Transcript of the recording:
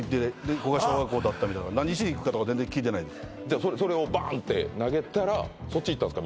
ここが小学校だったみたいな何しに行くかとか全然聞いてないそれをバンって投げたらそっち行ったんすか？